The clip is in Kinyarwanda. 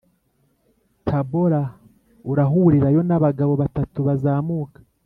Tabora urahurirayo n abagabo batatu bazamuka